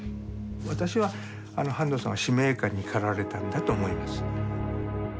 私は半藤さんは使命感に駆られたんだと思います。